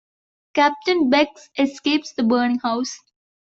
Captain Beggs escapes the burning house.